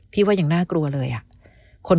ว่ายังน่ากลัวเลยอะ